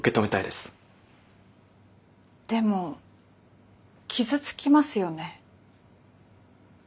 でも傷つきますよね。